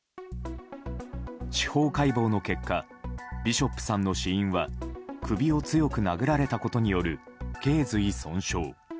司法解剖の結果ビショップさんの死因は首を強く殴られたことによる頸髄損傷。